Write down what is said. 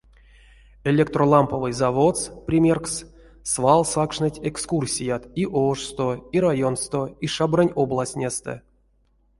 Электроламповой заводс, примеркс, свал сакшныть экскурсият и ошсто, и районсто, и шабрань областнестэ.